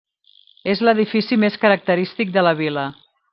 És l'edifici més característic de la Vila.